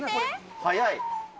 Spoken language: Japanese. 早い。